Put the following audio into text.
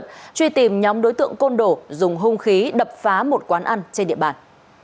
truy tìm nhóm đối tượng côn đổ dùng hung khí đập phá một quán ăn trên địa bàn